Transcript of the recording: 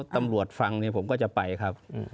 ตำรวจฟังผมก็จะไปครับ